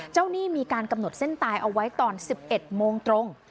หนี้มีการกำหนดเส้นตายเอาไว้ตอน๑๑โมงตรง